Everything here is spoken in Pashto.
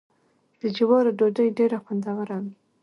د جوارو ډوډۍ ډیره خوندوره وي.